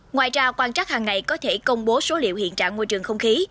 ngoài ra quan trắc hàng ngày có thể công bố số liệu hiện trạng môi trường không khí